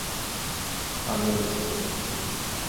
পালিয়ে গেছে দুজনে।